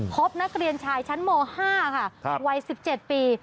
พบนักเรียนชายชั้นม๕ค่ะวัย๑๗ปี